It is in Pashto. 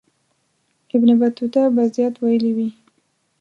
ابن بطوطه به زیات ویلي وي.